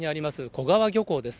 小川漁港です。